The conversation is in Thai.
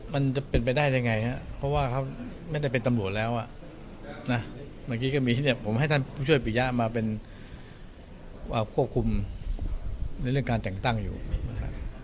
มันจะเป็นไปได้ยังไงน่ะเพราะว่าเค้าไม่ได้ไปตำรวจแล้วอ่ะผมให้ท่านช่วยประยะมาเป็นว่ากูครุมในเรื่องการจังตั้งอยู่นะครับ